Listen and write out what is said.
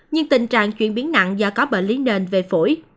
nhưng tình trạng chuyển biến nặng do có bệnh lý nền về phổi